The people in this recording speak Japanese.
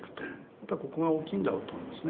やっぱりここが大きいんだろうと思いますね。